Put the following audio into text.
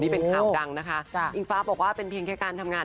เป็นห่วงเราว่าแบบอยากให้เราคุยกันแล้วลงการ